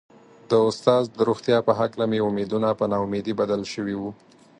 د استاد د روغتيا په هکله مې امېدونه په نا اميدي بدل شوي وو.